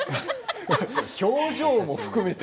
表情も含めて。